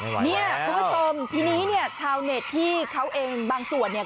เนี่ยคุณผู้ชมทีนี้เนี่ยชาวเน็ตที่เขาเองบางส่วนเนี่ย